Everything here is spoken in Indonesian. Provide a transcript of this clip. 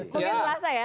kita selasa ya